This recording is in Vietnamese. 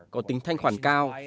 có tính thanh khoản cao